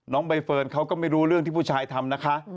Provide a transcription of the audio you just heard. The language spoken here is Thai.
ใบเฟิร์นเขาก็ไม่รู้เรื่องที่ผู้ชายทำนะคะ